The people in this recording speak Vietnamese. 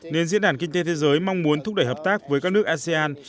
nên diễn đàn kinh tế thế giới mong muốn thúc đẩy hợp tác với các nước asean